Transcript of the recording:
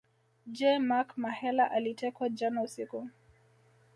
Je Mark Mahela alitekwa jana usiku